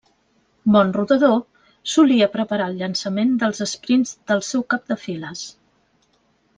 Bon rodador, solia preparar el llançament dels esprints del seu cap de files.